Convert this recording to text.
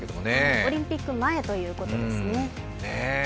オリンピック前ということですね。